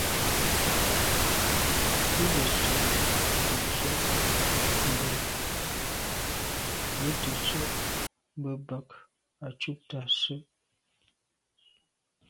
Û gə̄ sə̂' tə̀tswə́' mbɛ̂n bə̂ tə̀tswə́' mbə̄ bə̀k à' cúptə́ â sə́.